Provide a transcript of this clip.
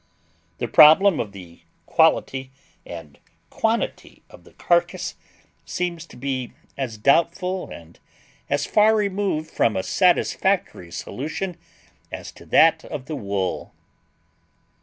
The problem of the quality and quantity of the carcass seems to be as doubtful and as far removed from a satisfactory solution as that of the wool.